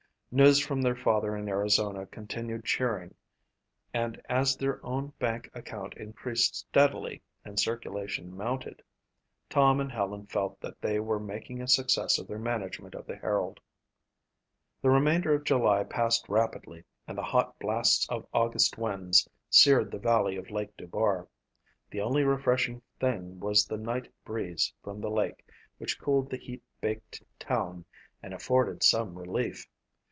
News from their father in Arizona continued cheering and as their own bank account increased steadily and circulation mounted, Tom and Helen felt that they were making a success of their management of the Herald. The remainder of July passed rapidly and the hot blasts of August winds seared the valley of Lake Dubar. The only refreshing thing was the night breeze from the lake which cooled the heat baked town and afforded some relief.